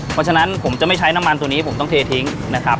เพราะฉะนั้นผมจะไม่ใช้น้ำมันตัวนี้ผมต้องเททิ้งนะครับ